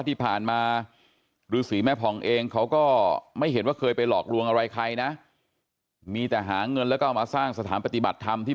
แต่ทีนี้ถ้าแม่มีเท่าไหร่แม่ก็จะย่อยให้ลูกไป